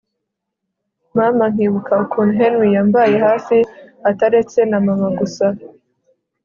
mama nkibuka ukuntu henry yambaye hafi ataretse na mama gusa